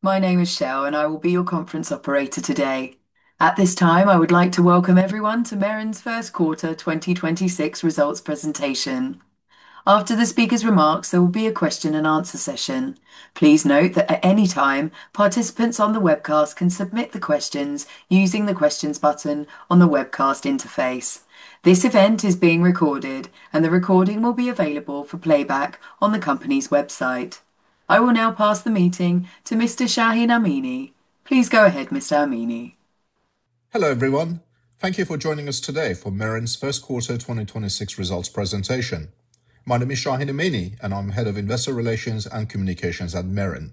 My name is Shell and I will be your conference operator today. At this time, I would like to welcome everyone to Meren's first quarter 2026 results presentation. After the speaker's remarks, there will be a question and answer session. Please note that at any time, participants on the webcast can submit the questions using the questions button on the webcast interface. This event is being recorded and the recording will be available for playback on the company's website. I will now pass the meeting to Mr. Shahin Amini. Please go ahead, Mr. Amini. Hello, everyone. Thank you for joining us today for Meren's first quarter 2026 results presentation. My name is Shahin Amini, and I'm Head of Investor Relations and Communications at Meren.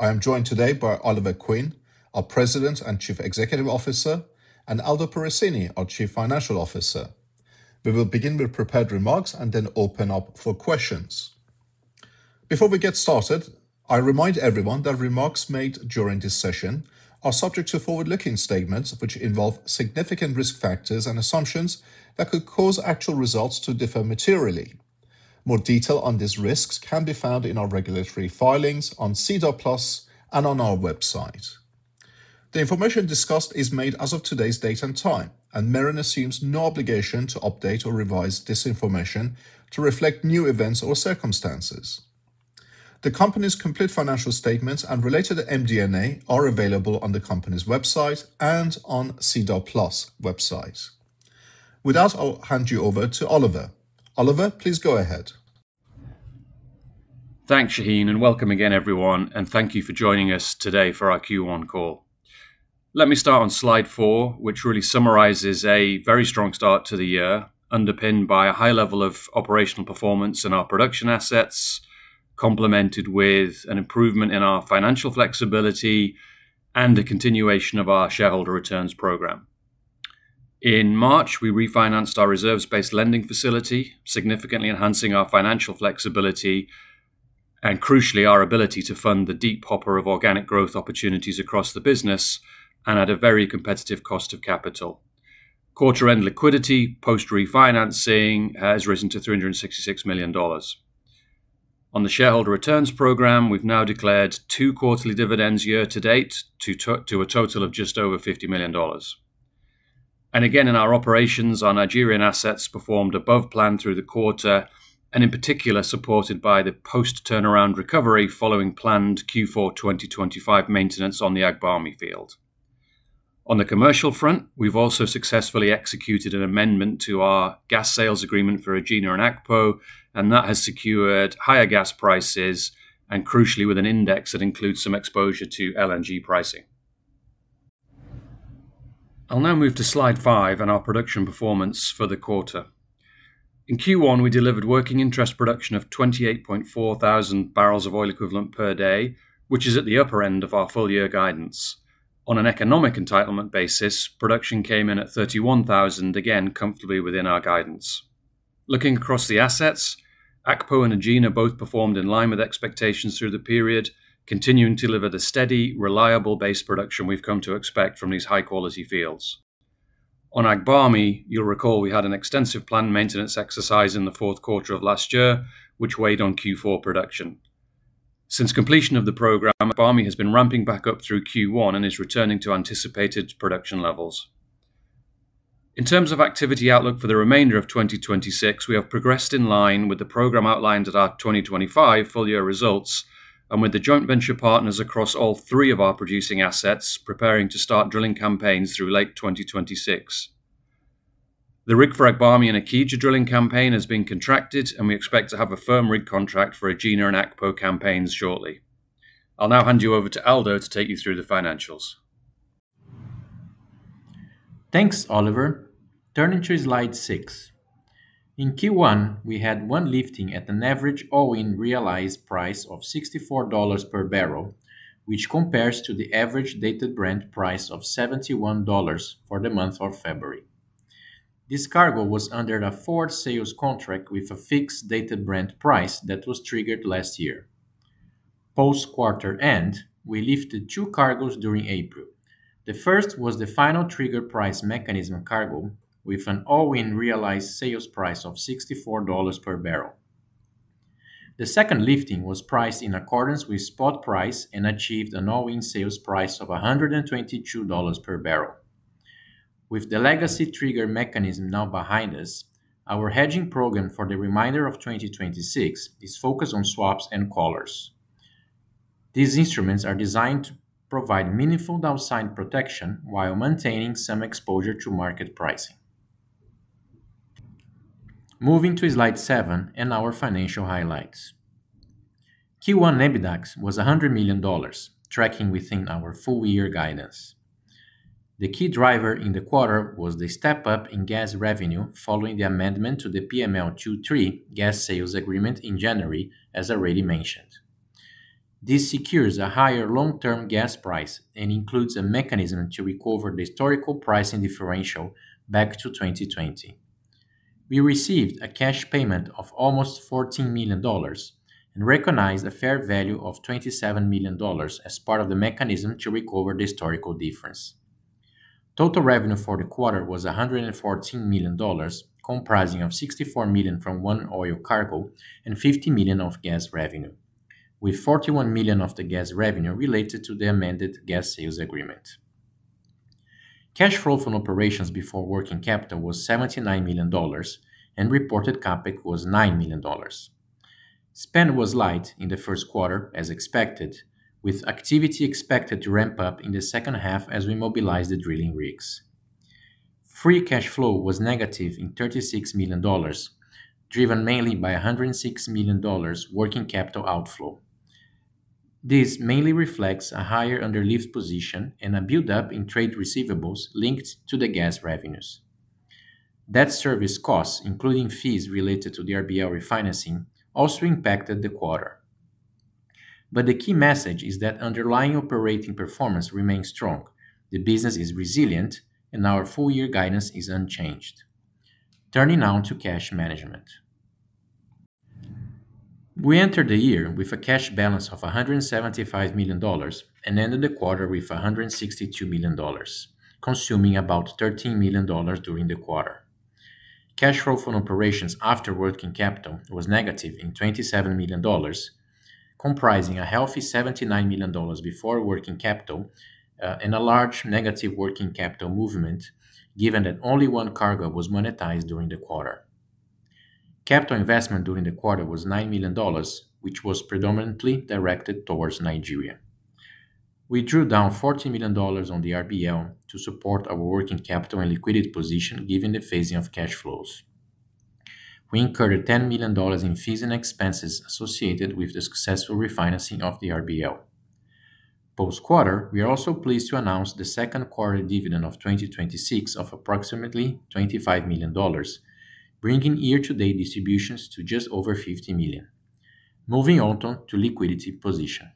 I am joined today by Oliver Quinn, our President and Chief Executive Officer, and Aldo Perracini, our Chief Financial Officer. We will begin with prepared remarks and then open up for questions. Before we get started, I remind everyone that remarks made during this session are subject to forward-looking statements which involve significant risk factors and assumptions that could cause actual results to differ materially. More detail on these risks can be found in our regulatory filings on SEDAR+ and on our website. The information discussed is made as of today's date and time, and Meren assumes no obligation to update or revise this information to reflect new events or circumstances. The company's complete financial statements and related MD&A are available on the company's website and on SEDAR+ website. With that, I'll hand you over to Oliver. Oliver, please go ahead. Thanks, Shahin, and welcome again, everyone, and thank you for joining us today for our Q1 call. Let me start on slide 4, which really summarizes a very strong start to the year, underpinned by a high level of operational performance in our production assets, complemented with an improvement in our financial flexibility and a continuation of our shareholder returns program. In March, we refinanced our reserves-based lending facility, significantly enhancing our financial flexibility and crucially our ability to fund the deep hopper of organic growth opportunities across the business and at a very competitive cost of capital. Quarter end liquidity post-refinancing has risen to $366 million. On the shareholder returns program, we've now declared two quarterly dividends year to date to a total of just over $50 million. In our operations, our Nigerian assets performed above plan through the quarter and in particular supported by the post-turnaround recovery following planned Q4 2025 maintenance on the Agbami field. On the commercial front, we have also successfully executed an amendment to our gas sales agreement for Egina and Akpo, and that has secured higher gas prices and crucially with an index that includes some exposure to LNG pricing. I will now move to slide 5 and our production performance for the quarter. In Q1, we delivered working interest production of 28.4 thousand Barrels of Oil Equivalent per day, which is at the upper end of our full year guidance. On an economic entitlement basis, production came in at 31,000, again, comfortably within our guidance. Looking across the assets, Akpo and Egina both performed in line with expectations through the period, continuing to deliver the steady, reliable base production we've come to expect from these high-quality fields. On Agbami, you'll recall we had an extensive planned maintenance exercise in the fourth quarter of last year, which weighed on Q4 production. Since completion of the program, Agbami has been ramping back up through Q1 and is returning to anticipated production levels. In terms of activity outlook for the remainder of 2026, we have progressed in line with the program outlined at our 2025 full year results and with the joint venture partners across all three of our producing assets preparing to start drilling campaigns through late 2026. We expect to have a firm rig contract for Egina and Akpo campaigns shortly. I'll now hand you over to Aldo to take you through the financials. Thanks, Oliver. Turning to slide 6. In Q1, we had 1 lifting at an average all-in realized price of $64 per barrel, which compares to the average dated Brent price of $71 for the month of February. This cargo was under a forward sales contract with a fixed dated Brent price that was triggered last year. Post quarter end, we lifted two cargoes during April. The first was the final trigger price mechanism cargo with an all-in realized sales price of $64 per barrel. The second lifting was priced in accordance with spot price and achieved an all-in sales price of $122 per barrel. With the legacy trigger mechanism now behind us, our hedging program for the remainder of 2026 is focused on swaps and collars. These instruments are designed to provide meaningful downside protection while maintaining some exposure to market pricing. Moving to slide 7 and our financial highlights. Q1 EBITDA was $100 million, tracking within our full year guidance. The key driver in the quarter was the step up in gas revenue following the amendment to the PML 2 and 3 gas sales agreement in January, as already mentioned. This secures a higher long-term gas price and includes a mechanism to recover the historical pricing differential back to 2020. We received a cash payment of almost $14 million and recognized a fair value of $27 million as part of the mechanism to recover the historical difference. Total revenue for the quarter was $114 million, comprising of $64 million from one oil cargo and $50 million of gas revenue, with $41 million of the gas revenue related to the amended gas sales agreement. Cash flow from operations before working capital was $79 million, and reported CapEx was $9 million. Spend was light in the first quarter, as expected, with activity expected to ramp up in the second half as we mobilize the drilling rigs. Free cash flow was negative in $36 million, driven mainly by $106 million working capital outflow. This mainly reflects a higher underlift position and a build-up in trade receivables linked to the gas revenues. Debt service costs, including fees related to the RBL refinancing, also impacted the quarter. The key message is that underlying operating performance remains strong, the business is resilient, and our full-year guidance is unchanged. Turning now to cash management. We entered the year with a cash balance of $175 million and ended the quarter with $162 million, consuming about $13 million during the quarter. Cash flow from operations after working capital was negative in $27 million, comprising a healthy $79 million before working capital and a large negative working capital movement, given that only one cargo was monetized during the quarter. Capital investment during the quarter was $9 million, which was predominantly directed towards Nigeria. We drew down $14 million on the RBL to support our working capital and liquidity position, given the phasing of cash flows. We incurred $10 million in fees and expenses associated with the successful refinancing of the RBL. Post-quarter, we are also pleased to announce the second quarter dividend of 2026 of approximately $25 million, bringing year-to-date distributions to just over $50 million. Moving on to liquidity position.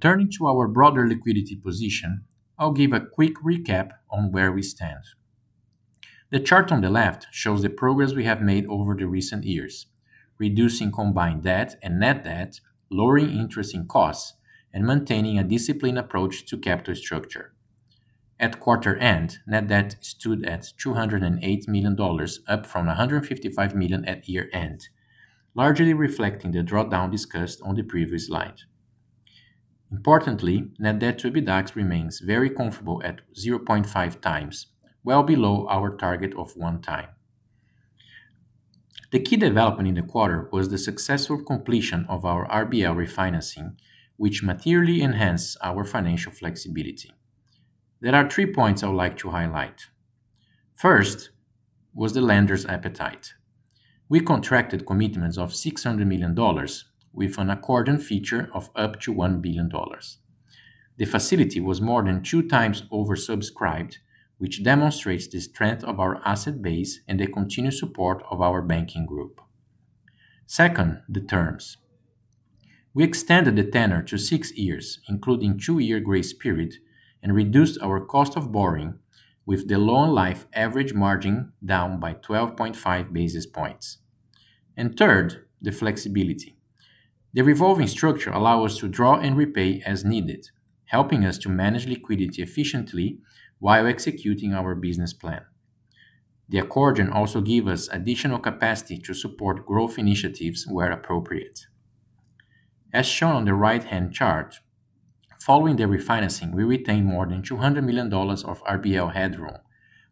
Turning to our broader liquidity position, I'll give a quick recap on where we stand. The chart on the left shows the progress we have made over the recent years, reducing combined debt and net debt, lowering interest in costs, and maintaining a disciplined approach to capital structure. At quarter end, net debt stood at $208 million, up from $155 million at year end, largely reflecting the drawdown discussed on the previous slide. Importantly, net debt to EBITDA remains very comfortable at 0.5x, well below our target of one time. The key development in the quarter was the successful completion of our RBL refinancing, which materially enhanced our financial flexibility. There are three points I would like to highlight. First was the lender's appetite. We contracted commitments of $600 million with an accordion feature of up to $1 billion. The facility was more than two times oversubscribed, which demonstrates the strength of our asset base and the continued support of our banking group. Second, the terms. We extended the tenor to six years, including two-year grace period, and reduced our cost of borrowing with the loan life average margin down by 12.5 basis points. Third, the flexibility. The revolving structure allowed us to draw and repay as needed, helping us to manage liquidity efficiently while executing our business plan. The accordion also gave us additional capacity to support growth initiatives where appropriate. As shown on the right-hand chart, following the refinancing, we retained more than $200 million of RBL headroom,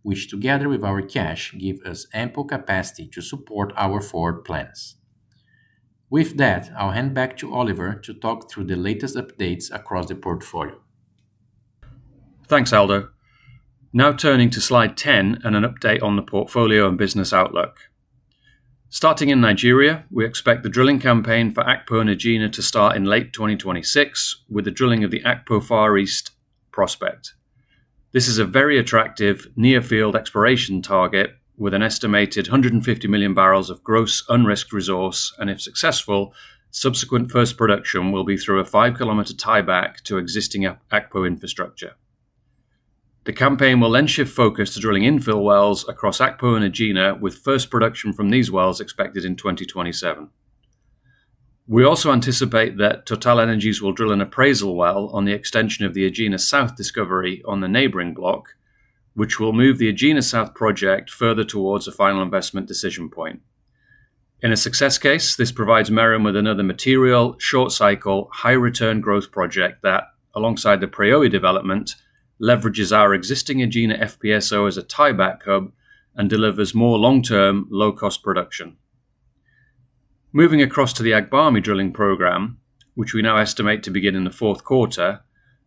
which together with our cash gave us ample capacity to support our forward plans. With that, I'll hand back to Oliver to talk through the latest updates across the portfolio. Thanks, Aldo. Turning to slide 10 and an update on the portfolio and business outlook. Starting in Nigeria, we expect the drilling campaign for Akpo and Egina to start in late 2026 with the drilling of the Akpo Far East prospect. This is a very attractive near-field exploration target with an estimated 150 million barrels of gross unrisked resource and if successful, subsequent first production will be through a five-kilometer tieback to existing Akpo infrastructure. The campaign will shift focus to drilling infill wells across Akpo and Egina with first production from these wells expected in 2027. We also anticipate that TotalEnergies will drill an appraisal well on the extension of the Egina South discovery on the neighboring block, which will move the Egina South project further towards a final investment decision point. In a success case, this provides Meren with another material, short-cycle, high-return growth project that, alongside the Preowei development, leverages our existing Egina FPSO as a tieback hub and delivers more long-term, low-cost production. Moving across to the Agbami drilling program, which we now estimate to begin in the fourth quarter,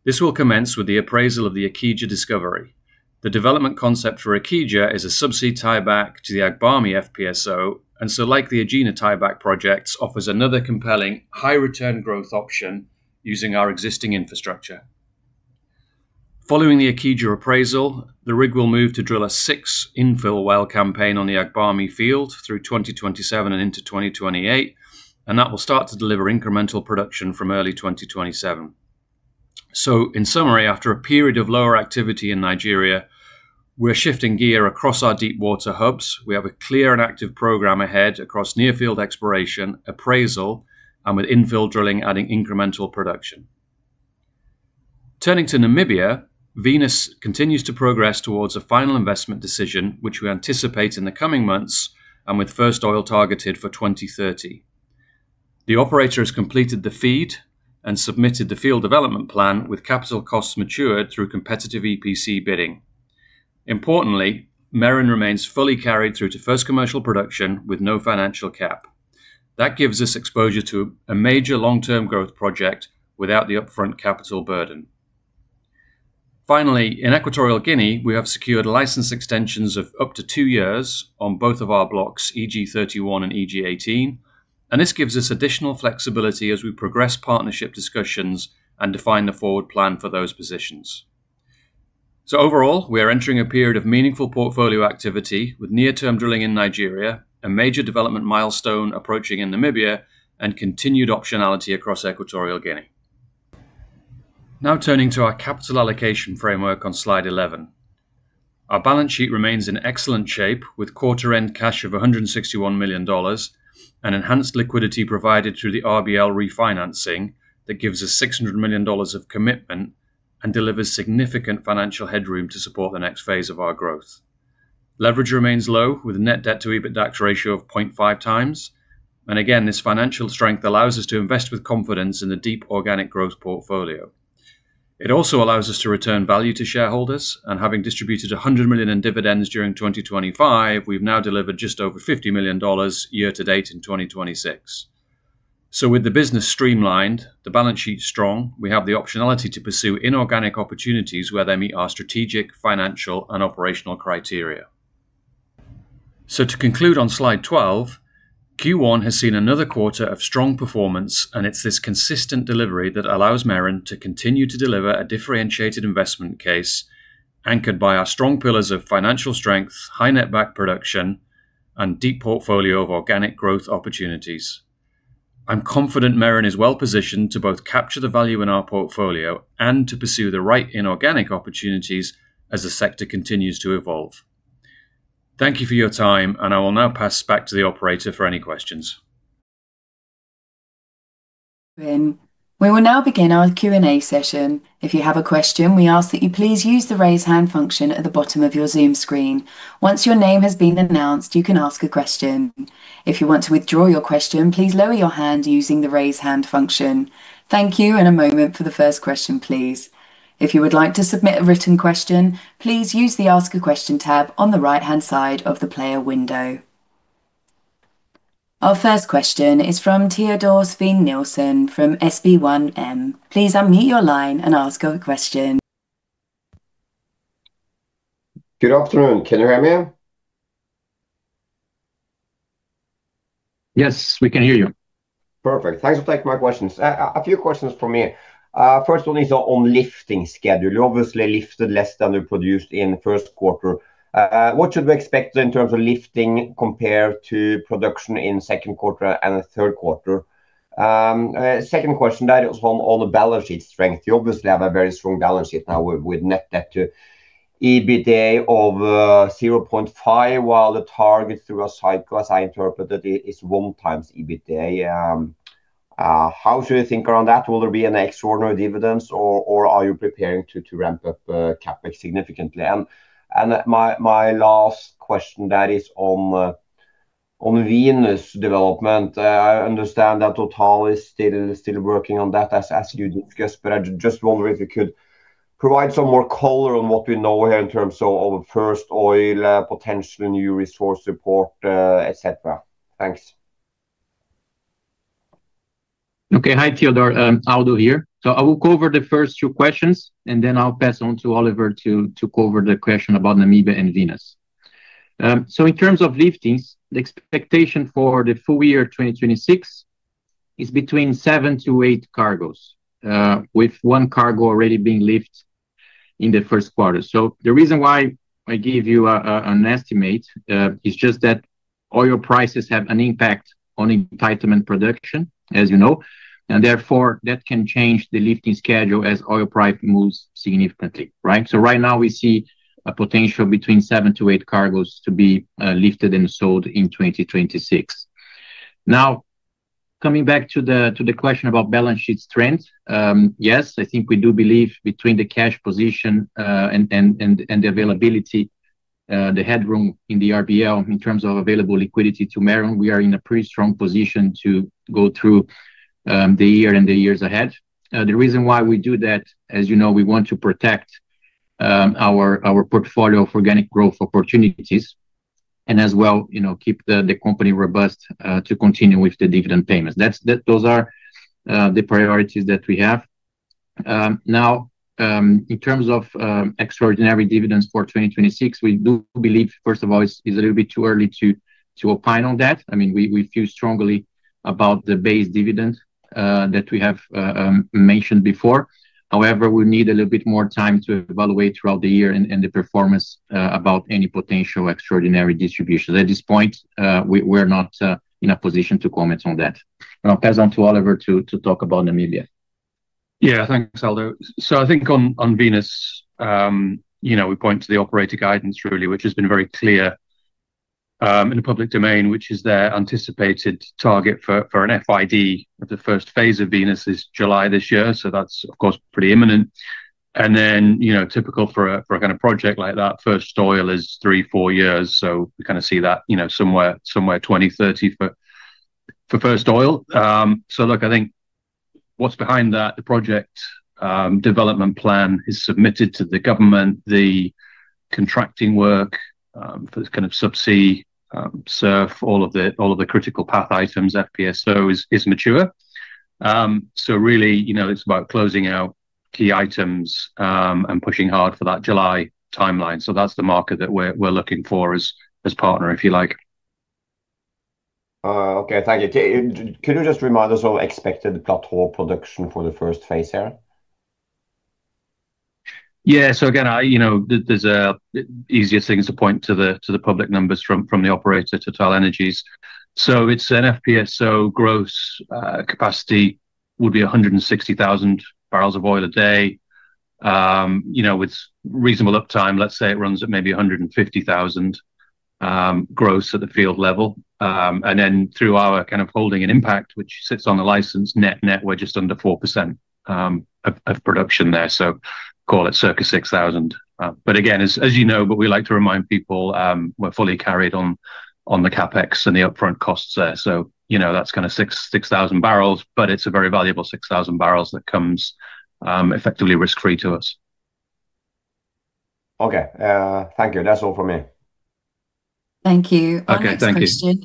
this will commence with the appraisal of the Ikija discovery. The development concept for Ikija is a subsea tieback to the Agbami FPSO and so like the Egina tieback projects, offers another compelling high-return growth option using our existing infrastructure. Following the Ikija appraisal, the rig will move to drill a six infill well campaign on the Agbami field through 2027 and into 2028 and that will start to deliver incremental production from early 2027. In summary, after a period of lower activity in Nigeria, we're shifting gear across our deep water hubs. We have a clear and active program ahead across near field exploration, appraisal, and with infill drilling adding incremental production. Turning to Namibia, Venus continues to progress towards a final investment decision, which we anticipate in the coming months, and with first oil targeted for 2030. The operator has completed the FEED and submitted the field development plan with capital costs matured through competitive EPC bidding. Importantly, Meren remains fully carried through to first commercial production with no financial cap. That gives us exposure to a major long-term growth project without the upfront capital burden. Finally, in Equatorial Guinea, we have secured license extensions of up to two years on both of our blocks, EG-31 and EG-18, and this gives us additional flexibility as we progress partnership discussions and define the forward plan for those positions. Overall, we are entering a period of meaningful portfolio activity with near-term drilling in Nigeria, a major development milestone approaching in Namibia, and continued optionality across Equatorial Guinea. Now turning to our capital allocation framework on slide 11. Our balance sheet remains in excellent shape with quarter-end cash of $161 million and enhanced liquidity provided through the RBL refinancing that gives us $600 million of commitment and delivers significant financial headroom to support the next phase of our growth. Leverage remains low, with a net debt to EBITDA ratio of 0.5 times. Again, this financial strength allows us to invest with confidence in the deep organic growth portfolio. It also allows us to return value to shareholders, and having distributed $100 million in dividends during 2025, we've now delivered just over $50 million year to date in 2026. With the business streamlined, the balance sheet strong, we have the optionality to pursue inorganic opportunities where they meet our strategic, financial and operational criteria. To conclude on slide 12, Q1 has seen another quarter of strong performance, and it's this consistent delivery that allows Meren to continue to deliver a differentiated investment case anchored by our strong pillars of financial strength, high net back production and deep portfolio of organic growth opportunities. I'm confident Meren is well-positioned to both capture the value in our portfolio and to pursue the right inorganic opportunities as the sector continues to evolve. Thank you for your time. I will now pass back to the operator for any questions. We will now begin our Q&A session. If you have a question, we ask that you please use the raise hand function at the bottom of your Zoom screen. Once your name has been announced, you can ask a question. If you want to withdraw your question, please lower your hand using the raise hand function. Thank you, and a moment for the first question, please. If you would like to submit a written question, please use the Ask a Question tab on the right-hand side of the player window. Our first question is from Teodor Sveen-Nilsen from SB1M. Please unmute your line and ask your question. Good afternoon. Can you hear me? Yes, we can hear you. Perfect. Thanks for taking my questions. A few questions from me. First one is on lifting schedule. You obviously lifted less than you produced in the first quarter. What should we expect in terms of lifting compared to production in second quarter and the third quarter? Second question, that is on the balance sheet strength. You obviously have a very strong balance sheet now with net debt to EBITDA of 0.5, while the target through a cycle, as I interpreted, is 1 times EBITDA. How should we think around that? Will there be an extraordinary dividends or are you preparing to ramp up CapEx significantly? My last question, that is on Venus development. I understand that Total is still working on that as you discussed, but I just wonder if you could provide some more color on what we know here in terms of first oil, potential new resource support, et cetera. Thanks. Okay. Hi, Teodor. Aldo here. I will go over the first two questions, and then I'll pass on to Oliver to cover the question about Namibia and Venus. In terms of liftings, the expectation for the full year 2026 is between seven to eight cargos, with one cargo already being lifted in the first quarter. The reason why I give you an estimate is just that oil prices have an impact on entitlement production, as you know, and therefore that can change the lifting schedule as oil price moves significantly, right? Right now we see a potential between seven to eight cargos to be lifted and sold in 2026. Now, coming back to the question about balance sheet strength. Yes, I think we do believe between the cash position, the availability, the headroom in the RBL in terms of available liquidity to Meren, we are in a pretty strong position to go through the year and the years ahead. The reason why we do that, as you know, we want to protect our portfolio of organic growth opportunities and as well, you know, keep the company robust to continue with the dividend payments. Those are the priorities that we have. Now, in terms of extraordinary dividends for 2026, we do believe, first of all, it's a little bit too early to opine on that. I mean, we feel strongly about the base dividend that we have mentioned before. We need a little bit more time to evaluate throughout the year and the performance about any potential extraordinary distributions. At this point, we're not in a position to comment on that. I'll pass on to Oliver to talk about Namibia. Yeah, thanks, Aldo. I think on Venus, you know, we point to the operator guidance really, which has been very clear in the public domain, which is their anticipated target for an FID of the first phase of Venus is July this year. You know, typical for a kind of project like that, first oil is three, four years. We kind of see that, you know, somewhere 2030 for first oil. Look, I think what's behind that, the project development plan is submitted to the government. The contracting work for kind of subsea SURF, all of the critical path items, FPSO is mature. Really, you know, it's about closing out key items and pushing hard for that July timeline. That's the marker that we're looking for as partner, if you like. Okay. Thank you. Could you just remind us of expected platform production for the first phase here? Again, I, there's easier things to point to the public numbers from the operator, TotalEnergies. It's an FPSO gross capacity would be 160,000 barrels of oil a day. With reasonable uptime, let's say it runs at maybe 150,000 gross at the field level. Through our kind of holding and impact, which sits on the license net, we're just under 4% of production there. Call it circa 6,000. Again, as you know, we like to remind people, we're fully carried on the CapEx and the upfront costs there. That's kind of 6,000 barrels, but it's a very valuable 6,000 barrels that comes effectively risk-free to us. Okay. Thank you. That's all from me. Thank you. Okay, thank you. Our next question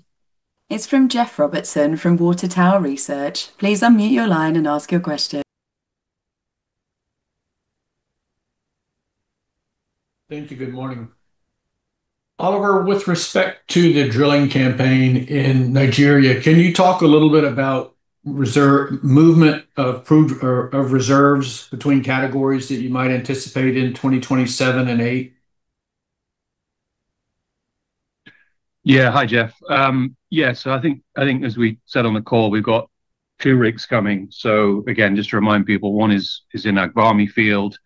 is from Jeff Robertson from Water Tower Research. Please unmute your line and ask your question. Thank you. Good morning. Oliver, with respect to the drilling campaign in Nigeria, can you talk a little bit about reserve movement or, of reserves between categories that you might anticipate in 2027 and 2028? Yeah. Hi, Jeff. Yeah, I think as we said on the call, we've got two rigs coming. Again, just to remind people, one is in Agbami field,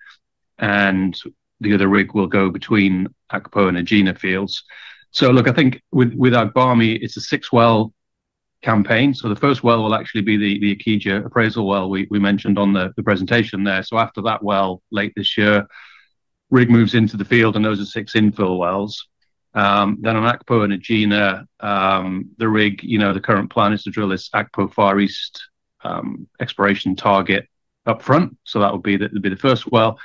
the other rig will go between Akpo and Egina fields. Look, I think with Agbami, it's a 6-well campaign. The first well will actually be the Ikija appraisal well we mentioned on the presentation there. After that well, late this year, rig moves into the field, those are six infill wells. On Akpo and Egina, the rig, you know, the current plan is to drill this Akpo Far East exploration target upfront. That would be the first well,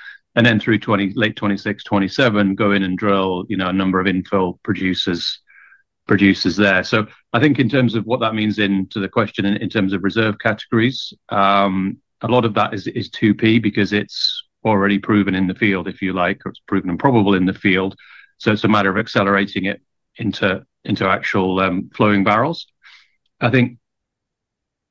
through late 2026, 2027, go in and drill, you know, a number of infill producers there. I think in terms of what that means in to the question in terms of reserve categories, a lot of that is 2P because it's already proven in the field, if you like, or it's proven and probable in the field. It's a matter of accelerating it into actual flowing barrels. I think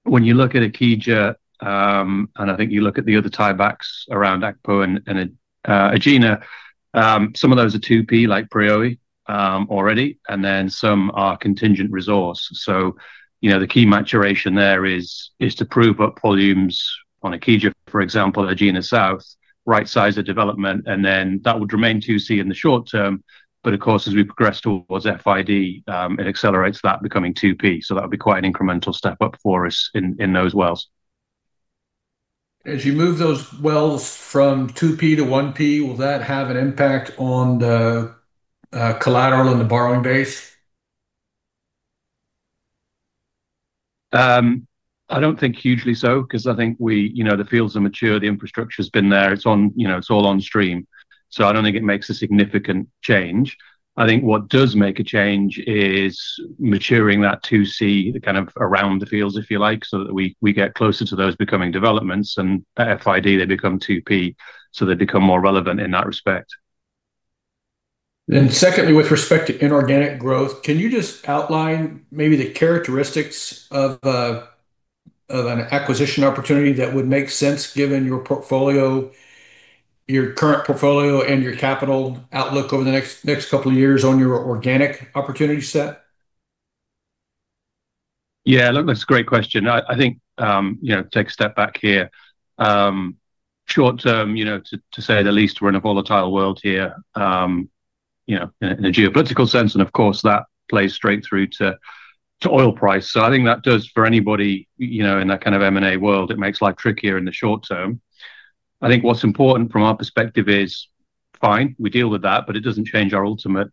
when you look at Ikija, and I think you look at the other tiebacks around Akpo and Egina, some of those are 2P like Preowei already, and then some are contingent resource. You know, the key maturation there is to prove up volumes on Ikija, for example, Egina South, rightsize the development, and then that would remain 2C in the short term. Of course, as we progress towards FID, it accelerates that becoming 2P. That would be quite an incremental step up for us in those wells. As you move those wells from 2P to 1P, will that have an impact on the collateral and the borrowing base? I don't think hugely so, 'cause I think we, you know, the fields are mature, the infrastructure's been there. It's on, you know, it's all on stream. I don't think it makes a significant change. I think what does make a change is maturing that 2C kind of around the fields, if you like, so that we get closer to those becoming developments and at FID, they become 2P, so they become more relevant in that respect. Secondly, with respect to inorganic growth, can you just outline maybe the characteristics of an acquisition opportunity that would make sense given your portfolio, your current portfolio and your capital outlook over the next couple of years on your organic opportunity set? Look, that's a great question. I think, you know, take a step back here. Short term, you know, to say the least, we're in a volatile world here, you know, in a geopolitical sense, and of course, that plays straight through to oil price. I think that does for anybody, you know, in that kind of M&A world, it makes life trickier in the short term. I think what's important from our perspective is, fine, we deal with that, but it doesn't change our ultimate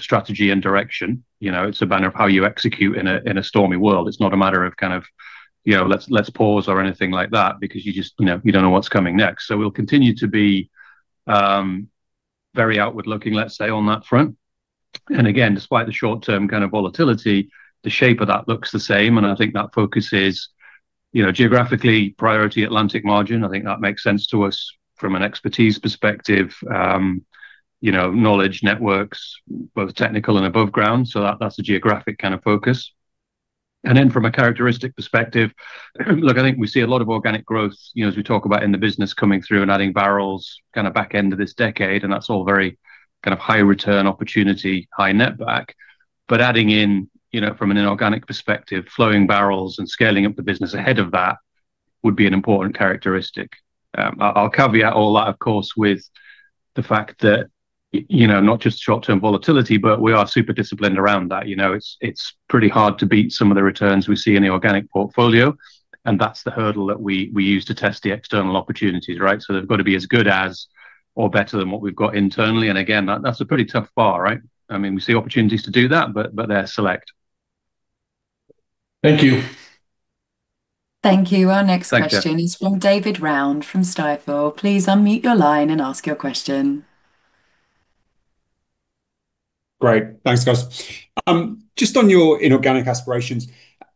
strategy and direction. You know, it's a matter of how you execute in a stormy world. It's not a matter of kind of, you know, let's pause or anything like that because you just, you know, you don't know what's coming next. We'll continue to be very outward looking, let's say, on that front. Again, despite the short term kind of volatility, the shape of that looks the same, and I think that focus is, you know, geographically priority Atlantic margin. I think that makes sense to us from an expertise perspective, you know, knowledge networks, both technical and above ground. That's a geographic kind of focus. Then from a characteristic perspective, look, I think we see a lot of organic growth, you know, as we talk about in the business coming through and adding barrels kind of back end of this decade, and that's all very kind of high return opportunity, high net back. Adding in, you know, from an inorganic perspective, flowing barrels and scaling up the business ahead of that would be an important characteristic. I'll caveat all that, of course, with the fact that, you know, not just short-term volatility, but we are super disciplined around that. You know, it's pretty hard to beat some of the returns we see in the organic portfolio, and that's the hurdle that we use to test the external opportunities, right? They've got to be as good as or better than what we've got internally. Again, that's a pretty tough bar, right? I mean, we see opportunities to do that, but they're select. Thank you. Thank you. Thank you. Our next question is from David Round from Stifel. Please unmute your line and ask your question. Great. Thanks, guys. Just on your inorganic aspirations,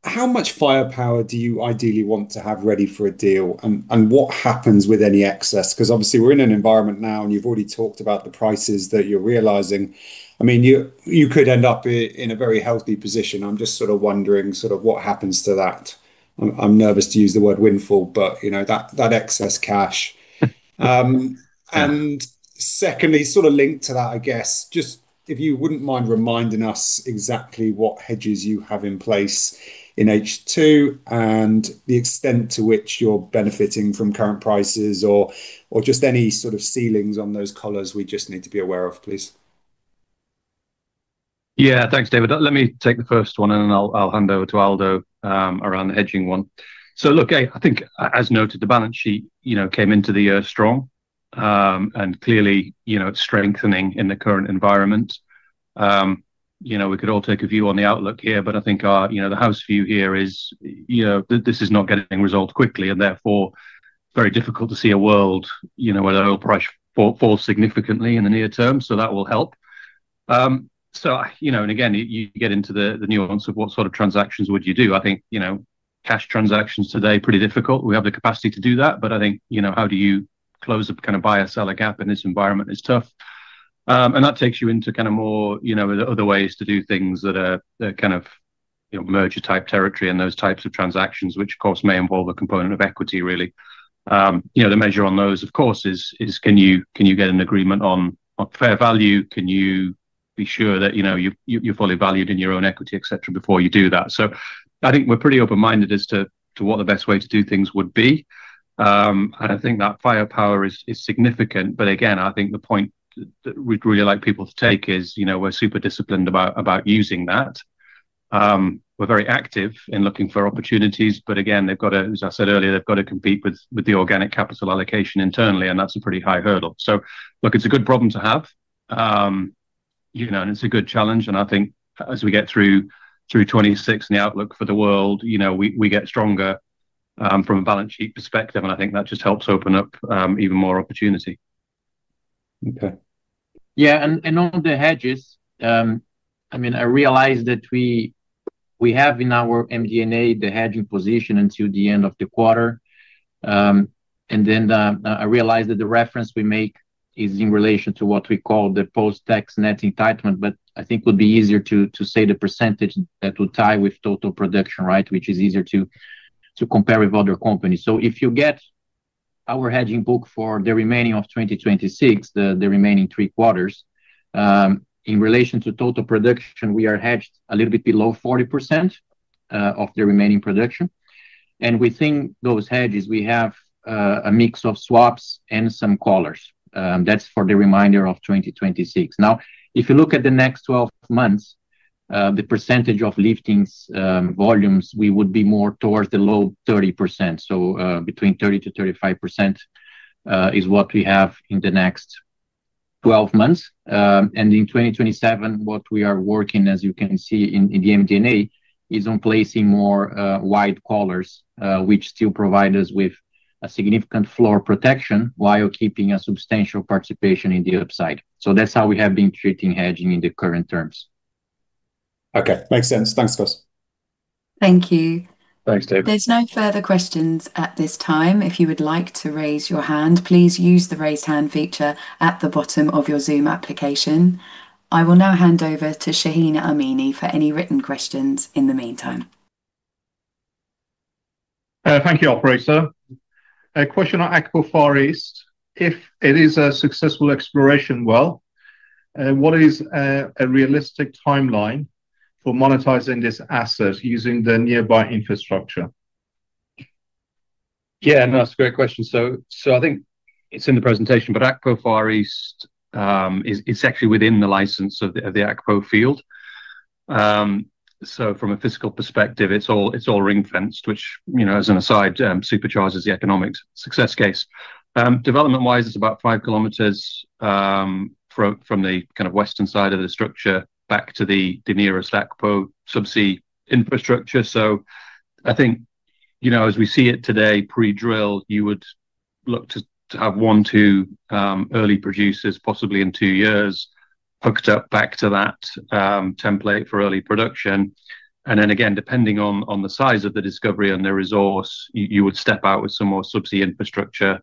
how much firepower do you ideally want to have ready for a deal, and what happens with any excess? Obviously we're in an environment now, and you've already talked about the prices that you're realizing. I mean, you could end up in a very healthy position. I'm just sort of wondering sort of what happens to that. I'm nervous to use the word windfall, but, you know, that excess cash. Yeah. Secondly, sort of linked to that, I guess, just if you wouldn't mind reminding us exactly what hedges you have in place in H2 and the extent to which you're benefiting from current prices or just any sort of ceilings on those collars we just need to be aware of, please. Yeah. Thanks, David. Let me take the first one, and then I'll hand over to Aldo around the hedging one. Look, I think as noted, the balance sheet, you know, came into the year strong. Clearly, you know, it's strengthening in the current environment. You know, we could all take a view on the outlook here, but I think our, you know, the house view here is, you know, this is not getting resolved quickly, and therefore very difficult to see a world, you know, where the oil price falls significantly in the near term. That will help. You know, again, you get into the nuance of what sort of transactions would you do. I think, you know, cash transactions today, pretty difficult. We have the capacity to do that, I think, you know, how do you close a kind of buyer-seller gap in this environment is tough. That takes you into kind of more, you know, other ways to do things that are, you know, merger type territory and those types of transactions, which of course may involve a component of equity, really. You know, the measure on those, of course, is, can you get an agreement on fair value? Can you be sure that, you know, you're fully valued in your own equity, et cetera, before you do that? I think we're pretty open-minded as to what the best way to do things would be. I think that firepower is significant. Again, I think the point that we'd really like people to take is, you know, we're super disciplined about using that. We're very active in looking for opportunities, again, they've got to, as I said earlier, they've got to compete with the organic capital allocation internally, and that's a pretty high hurdle. Look, it's a good problem to have, you know, it's a good challenge. I think as we get through 2026 and the outlook for the world, you know, we get stronger, from a balance sheet perspective, I think that just helps open up even more opportunity. Okay. Yeah. I mean, I realize that we have in our MD&A the hedging position until the end of the quarter. I realize that the reference we make is in relation to what we call the post-tax net entitlement. I think it would be easier to say the percentage that would tie with total production, right, which is easier to compare with other companies. If you get our hedging book for the remaining of 2026, the remaining three quarters, in relation to total production, we are hedged a little bit below 40% of the remaining production. Within those hedges, we have a mix of swaps and some collars. That's for the remainder of 2026. If you look at the next 12 months, the percentage of lifting volumes, we would be more towards the low 30%. Between 30% to 35% is what we have in the next 12 months. In 2027, what we are working, as you can see in the MD&A, is on placing more wide collars, which still provide us with a significant floor protection while keeping a substantial participation in the upside. That's how we have been treating hedging in the current terms. Okay. Makes sense. Thanks, guys. Thank you. Thanks, David. There's no further questions at this time. If you would like to raise your hand, please use the raise hand feature at the bottom of your Zoom application. I will now hand over to Shahin Amini for any written questions in the meantime. Thank you, operator. A question on Akpo Far East. If it is a successful exploration well, what is a realistic timeline for monetizing this asset using the nearby infrastructure? Yeah, no, that's a great question. I think it's in the presentation, but Akpo Far East, it's actually within the license of the Akpo field. From a physical perspective, it's all ring-fenced, which, you know, as an aside, supercharges the economics success case. Development-wise, it's about five kilometers from the kind of western side of the structure back to the nearest Akpo subsea infrastructure. I think, you know, as we see it today, pre-drill, you would look to have one, two early producers, possibly in two years, hooked up back to that template for early production. Again, depending on the size of the discovery and the resource, you would step out with some more subsea infrastructure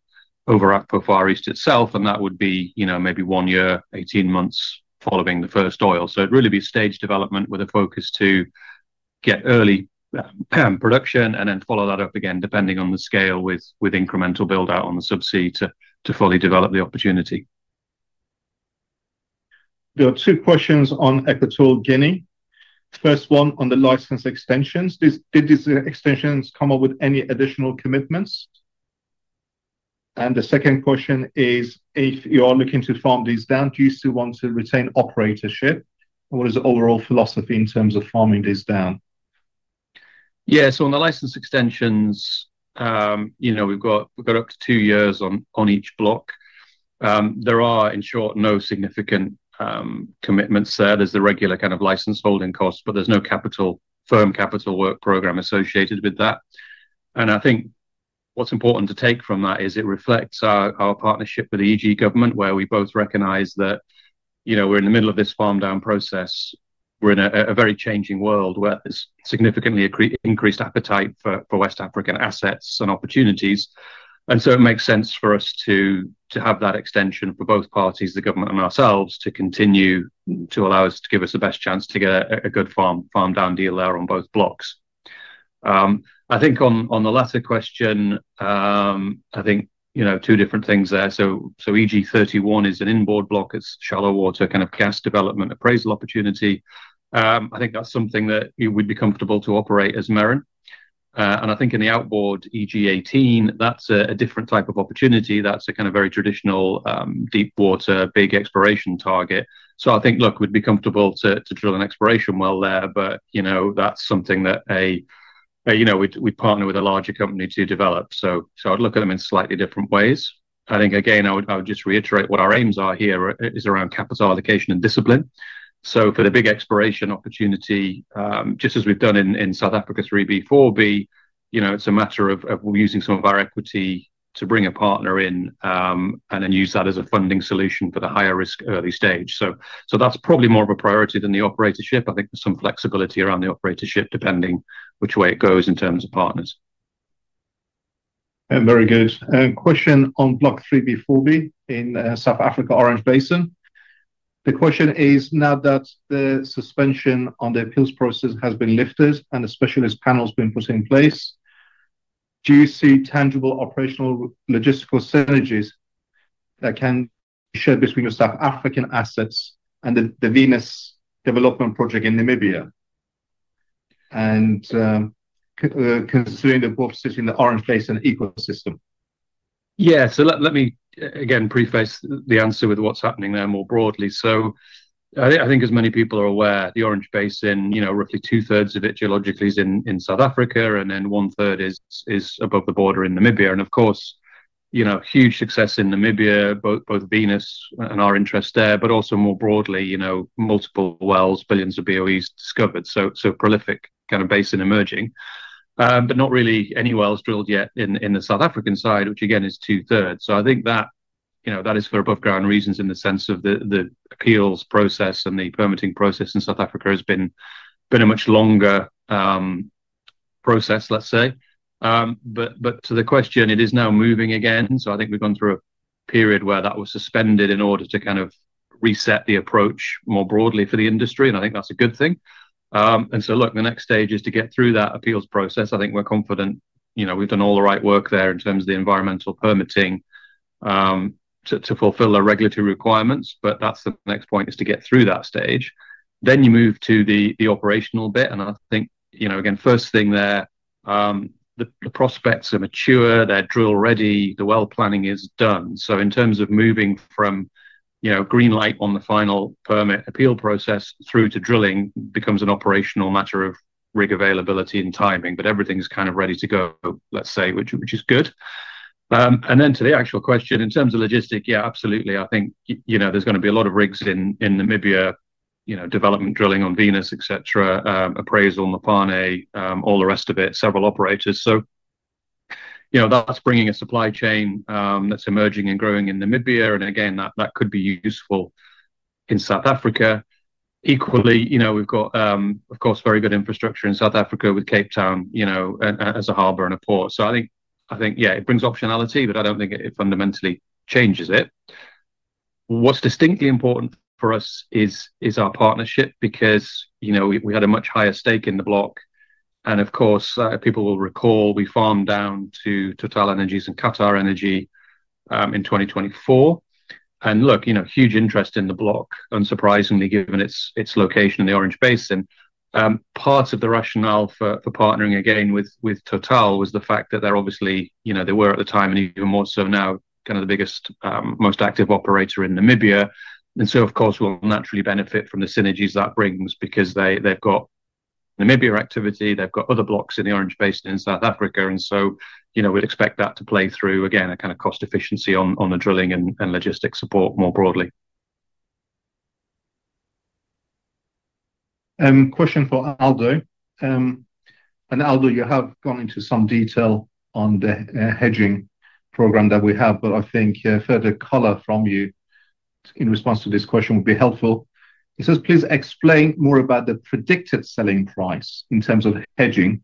over at Far East itself, and that would be, you know, maybe one year, 18 months following the first oil. It'd really be stage development with a focus to get early production and then follow that up again depending on the scale with incremental build-out on the subsea to fully develop the opportunity. There are two questions on Equatorial Guinea. First one on the license extensions. Did these extensions come up with any additional commitments? The second question is if you are looking to farm these down, do you still want to retain operatorship? What is the overall philosophy in terms of farming these down? Yeah. On the license extensions, you know, we've got up to two years on each block. There are, in short, no significant commitments there. There's the regular kind of license holding costs, but there's no capital, firm capital work program associated with that. I think what's important to take from that is it reflects our partnership with EG government, where we both recognize that, you know, we're in the middle of this farm down process. We're in a very changing world where there's significantly increased appetite for West African assets and opportunities. It makes sense for us to have that extension for both parties, the government and ourselves, to continue to allow us to give us the best chance to get a good farm down deal there on both blocks. I think on the latter question, I think, you know, two different things there. EG-31 is an inboard block. It's shallow water, kind of gas development appraisal opportunity. I think that's something that we would be comfortable to operate as Meren. I think in the outboard EG 18, that's a different type of opportunity. That's a kind of very traditional, deep water, big exploration target. I think, look, we'd be comfortable to drill an exploration well there, but, you know, that's something that a, you know, we partner with a larger company to develop. I'd look at them in slightly different ways. I think again, I would just reiterate what our aims are here, is around capital allocation and discipline. For the big exploration opportunity, just as we've done in South Africa 3B, 4B, you know, it's a matter of using some of our equity to bring a partner in, and then use that as a funding solution for the higher risk early stage. I think there's some flexibility around the operatorship depending which way it goes in terms of partners. Very good. A question on block 3B, 4B in South Africa Orange Basin. The question is, now that the suspension on the appeals process has been lifted and a specialist panel's been put in place, do you see tangible operational logistical synergies that can be shared between the South African assets and the Venus development project in Namibia? Considering they're both sitting in the Orange Basin ecosystem. Yeah. Let me again preface the answer with what's happening there more broadly. I think as many people are aware, the Orange Basin, you know, roughly two-thirds of it geologically is in South Africa, and then one-third is above the border in Namibia. Of course, you know, huge success in Namibia, both Venus and our interest there, but also more broadly, you know, multiple wells, billions of BOEs discovered, prolific kind of basin emerging. Not really any wells drilled yet in the South African side, which again is two-thirds. I think that, you know, that is for above ground reasons in the sense of the appeals process and the permitting process in South Africa has been a much longer process, let's say. To the question, it is now moving again. I think we've gone through a period where that was suspended in order to kind of reset the approach more broadly for the industry, and I think that's a good thing. Look, the next stage is to get through that appeals process. I think we're confident, you know, we've done all the right work there in terms of the environmental permitting, to fulfill our regulatory requirements, but that's the next point is to get through that stage. You move to the operational bit. I think, you know, again, first thing there, the prospects are mature, they're drill ready, the well planning is done. In terms of moving from, you know, green light on the final permit appeal process through to drilling becomes an operational matter of rig availability and timing, but everything's kind of ready to go, let's say, which is good. Then to the actual question, in terms of logistic, yeah, absolutely. I think, you know, there's gonna be a lot of rigs in Namibia, you know, development drilling on Venus, et cetera, appraisal on Mopane, all the rest of it, several operators. You know, that's bringing a supply chain that's emerging and growing in Namibia. Again, that could be useful in South Africa. Equally, you know, we've got, of course, very good infrastructure in South Africa with Cape Town, you know, as a harbor and a port. I think, yeah, it brings optionality, but I don't think it fundamentally changes it. What's distinctly important for us is our partnership because, you know, we had a much higher stake in the block. Of course, people will recall we farmed down to TotalEnergies and QatarEnergy in 2024. Look, you know, huge interest in the block, unsurprisingly given its location in the Orange Basin. Part of the rationale for partnering again with Total was the fact that they're obviously, you know, they were at the time and even more so now, kind of the biggest, most active operator in Namibia. Of course, we'll naturally benefit from the synergies that brings because they've got Namibia activity, they've got other blocks in the Orange Basin in South Africa. You know, we'd expect that to play through, again, a kind of cost efficiency on the drilling and logistics support more broadly. Question for Aldo. Aldo, you have gone into some detail on the hedging program that we have, but I think a further color from you in response to this question would be helpful. It says, please explain more about the predicted selling price in terms of hedging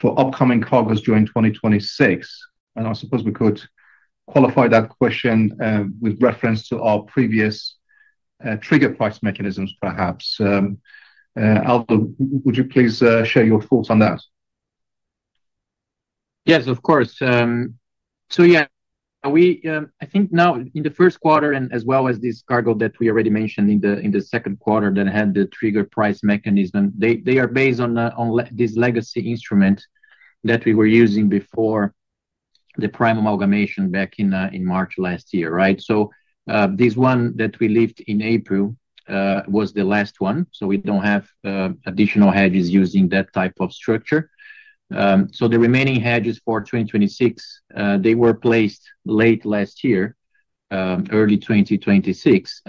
for upcoming cargoes during 2026, and I suppose we could qualify that question with reference to our previous trigger price mechanisms perhaps. Aldo, would you please share your thoughts on that? Yes, of course. We, I think now in the first quarter, and as well as this cargo that we already mentioned in the second quarter that had the trigger price mechanism, they are based on this legacy instrument that we were using before the Prime amalgamation back in March last year. This one that we left in April was the last one, we don't have additional hedges using that type of structure. The remaining hedges for 2026 they were placed late last year, early 2026,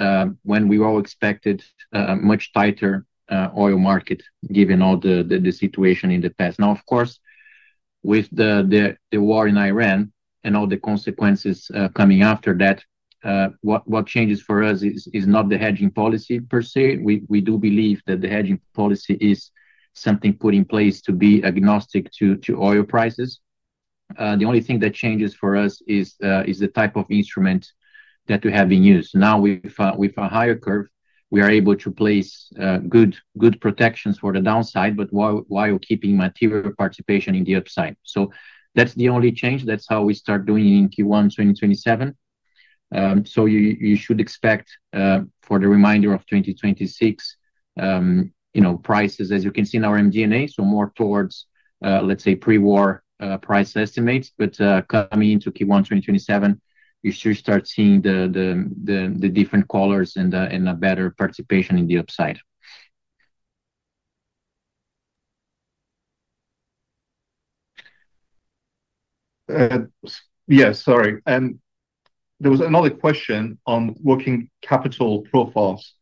when we all expected a much tighter oil market given all the situation in the past. Now, of course, with the war in Iran and all the consequences coming after that, what changes for us is not the hedging policy per se. We do believe that the hedging policy is something put in place to be agnostic to oil prices. The only thing that changes for us is the type of instrument that we have in use. Now with a higher curve, we are able to place good protections for the downside, but while keeping material participation in the upside. That's the only change. That's how we start doing in Q1 2027. You should expect for the remainder of 2026, you know, prices as you can see in our MD&A, more towards, let's say pre-war price estimates. Coming into Q1 2027, you should start seeing the different callers and a better participation in the upside. Yes. Sorry. There was another question on working capital profiles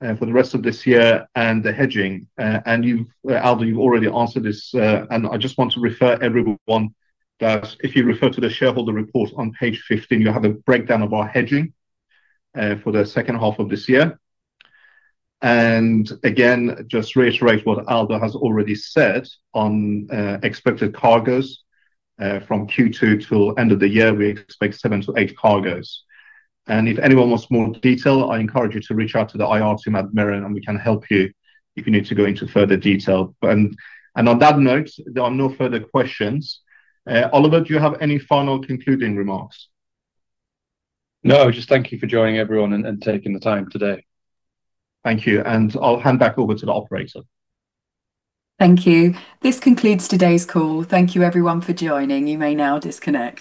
for the rest of this year and the hedging. You've Aldo Perracini, you've already answered this, and I just want to refer everyone that if you refer to the shareholder report on page 15, you'll have a breakdown of our hedging for the 2nd half of this year. Again, just reiterate what Aldo Perracini has already said on expected cargoes, from Q2 till end of the year, we expect 7-8 cargoes. If anyone wants more detail, I encourage you to reach out to the IR team at Meren, and we can help you if you need to go into further detail. On that note, there are no further questions. Oliver Quinn, do you have any final concluding remarks? No, just thank you for joining, everyone, and taking the time today. Thank you. I'll hand back over to the operator. Thank you. This concludes today's call. Thank you everyone for joining. You may now disconnect.